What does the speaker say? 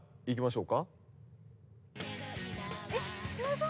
いきましょうか。